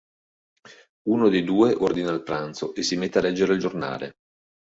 Uno dei due ordina il pranzo e si mette a leggere il giornale.